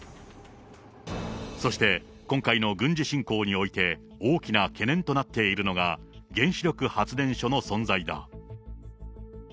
そして今回の軍事侵攻において、大きな懸念となっているのが、原子力発電所の存在だ。